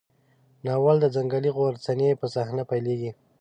ناول د ځنګلي غرڅنۍ په صحنه پیلېږي.